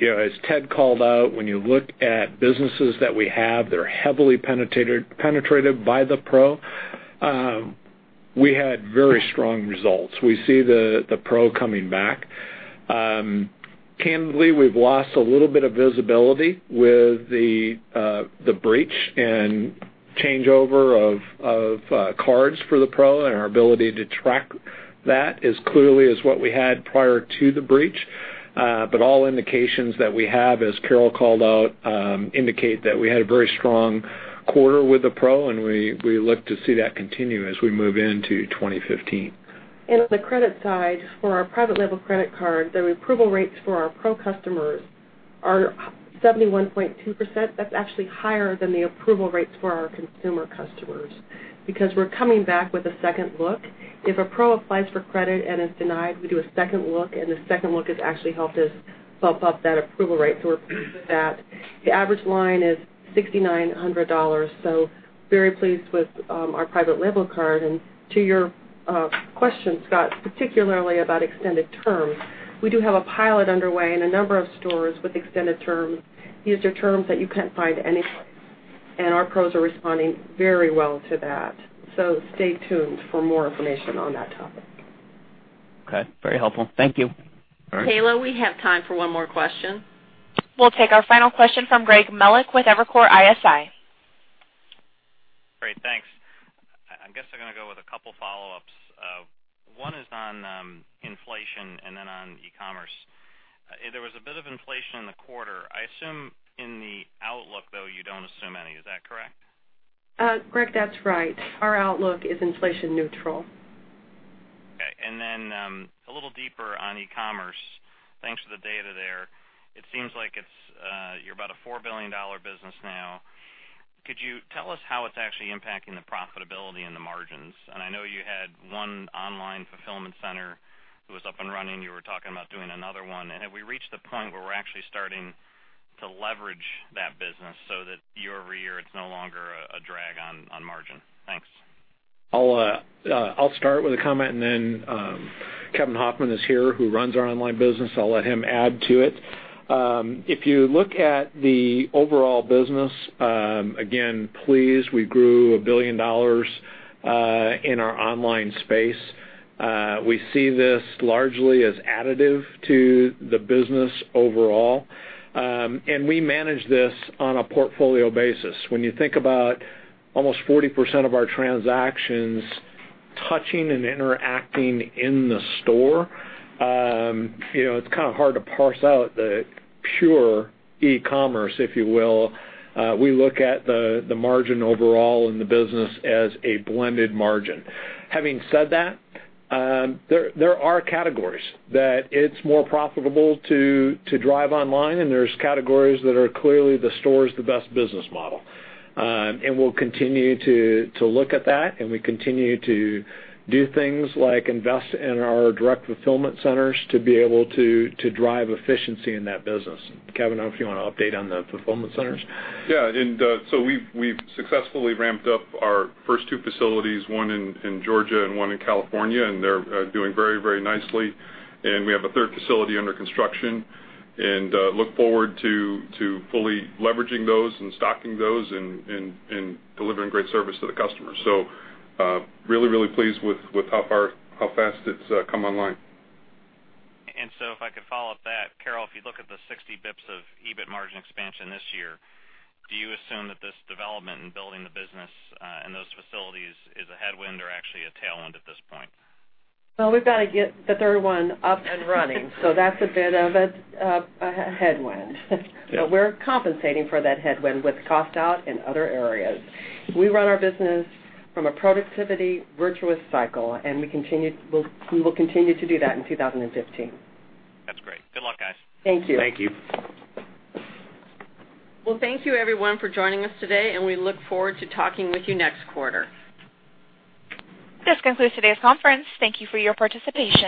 as Ted called out, when you look at businesses that we have that are heavily penetrated by the Pro, we had very strong results. We see the Pro coming back. Candidly, we've lost a little bit of visibility with the breach and changeover of cards for the Pro and our ability to track that as clearly as what we had prior to the breach. All indications that we have, as Carol called out, indicate that we had a very strong quarter with the Pro, and we look to see that continue as we move into 2015. On the credit side, for our private label credit card, the approval rates for our Pro customers are 71.2%. That's actually higher than the approval rates for our consumer customers because we're coming back with a second look. If a Pro applies for credit and is denied, we do a second look, and the second look has actually helped us bump up that approval rate, we're pleased with that. The average line is $6,900, very pleased with our private label card. To your question, Scot, particularly about extended terms, we do have a pilot underway in a number of stores with extended terms. These are terms that you can't find anywhere, and our Pros are responding very well to that. Stay tuned for more information on that topic. Okay. Very helpful. Thank you. All right. Kayla, we have time for one more question. We'll take our final question from Greg Melich with Evercore ISI. Great. Thanks. I guess I'm going to go with a couple follow-ups. One is on inflation and then on e-commerce. There was a bit of inflation in the quarter. I assume in the outlook, though, you don't assume any. Is that correct? Greg, that's right. Our outlook is inflation neutral. Okay. Then, a little deeper on e-commerce. Thanks for the data there. It seems like you're about a $4 billion business now. Could you tell us how it's actually impacting the profitability and the margins? I know you had one online fulfillment center that was up and running. You were talking about doing another one. Have we reached the point where we're actually starting to leverage that business so that year-over-year, it's no longer a drag on margin? Thanks. I'll start with a comment. Then Kevin Hofmann is here, who runs our online business. I'll let him add to it. If you look at the overall business, again, pleased we grew $1 billion in our online space. We see this largely as additive to the business overall. We manage this on a portfolio basis. When you think about almost 40% of our transactions touching and interacting in the store, it's kind of hard to parse out the pure e-commerce, if you will. We look at the margin overall in the business as a blended margin. Having said that, there are categories that it's more profitable to drive online, and there's categories that are clearly the store is the best business model. We'll continue to look at that, and we continue to do things like invest in our direct fulfillment centers to be able to drive efficiency in that business. Kevin, I don't know if you want to update on the fulfillment centers. Yeah. We've successfully ramped up our first two facilities, one in Georgia and one in California, and they're doing very nicely. We have a third facility under construction and look forward to fully leveraging those and stocking those and delivering great service to the customers. Really pleased with how fast it's come online. If I could follow up that, Carol, if you look at the 60 basis points of EBIT margin expansion this year, do you assume that this development in building the business in those facilities is a headwind or actually a tailwind at this point? Well, we've got to get the third one up and running, that's a bit of a headwind. We're compensating for that headwind with cost out in other areas. We run our business from a productivity virtuous cycle, and we will continue to do that in 2015. That's great. Good luck, guys. Thank you. Thank you. Well, thank you, everyone, for joining us today, and we look forward to talking with you next quarter. This concludes today's conference. Thank you for your participation.